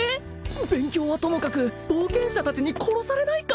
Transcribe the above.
勉強はともかく冒険者達に殺されないか？